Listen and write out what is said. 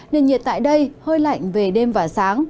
nền nhiệt tại đây hơi lạnh về đêm và sáng